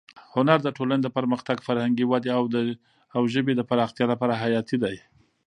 هنر د ټولنې د پرمختګ، فرهنګي ودې او ژبې د پراختیا لپاره حیاتي دی.